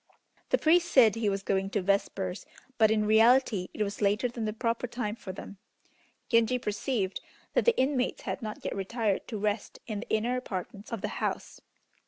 The priest said he was going to vespers, but in reality it was later than the proper time for them. Genji perceived that the inmates had not yet retired to rest in the inner apartments of the house.